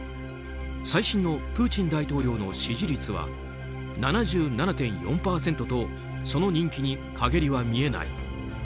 最新のプーチン大統領の支持率は７７．４％とその人気に陰りは見えない。